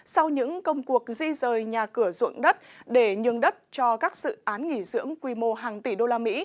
sau những công cuộc di rời nhà cửa ruộng đất để nhường đất cho các dự án nghỉ dưỡng quy mô hàng tỷ usd